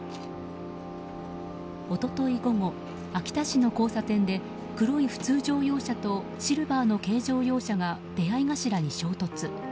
一昨日午後、秋田市の交差点で黒い普通乗用車とシルバーの軽乗用車が出会い頭に衝突。